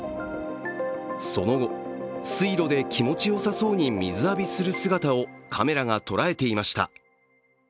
その後、水路で気持ちよさそうに水浴びする姿をカメラが捉えていました。